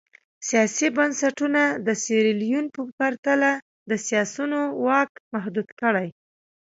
سیاسي بنسټونه د سیریلیون په پرتله د سیاسیونو واک محدود کړي.